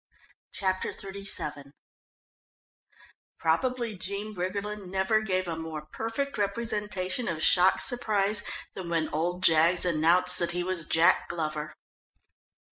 Chapter XXXVII Probably Jean Briggerland never gave a more perfect representation of shocked surprise than when old Jaggs announced that he was Jack Glover.